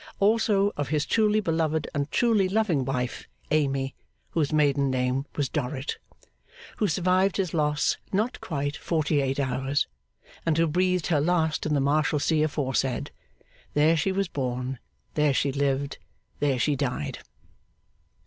Also of his truly beloved and truly loving wife, AMY, whose maiden name was DORRIT, Who survived his loss not quite forty eight hours, And who breathed her last in the Marshalsea aforesaid. There she was born, There she lived, There she died.